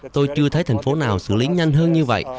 tôi chưa thấy thành phố nào xử lý nhanh hơn như vậy